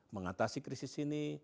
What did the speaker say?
mengatasi krisis ini